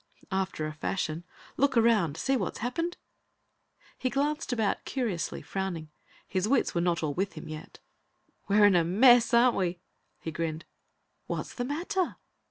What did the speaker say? "After a fashion. Look around; see what's happened?" He glanced about curiously, frowning. His wits were not all with him yet. "We're in a mess, aren't we?" he grinned. "What's the matter?"